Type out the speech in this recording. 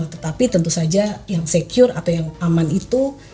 tetapi tentu saja yang secure atau yang aman itu